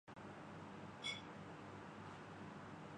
اوپر سے سماجی گھٹن۔